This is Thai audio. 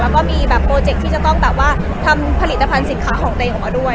แล้วก็มีโปรเจคที่จะต้องทำผลิตภัณฑ์สินค้าของเราออกมาด้วย